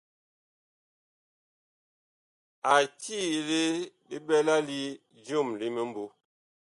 A tiile li ɓɛla li joom li mimbu.